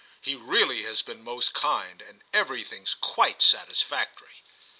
He really has been most kind, and everything's quite satisfactory."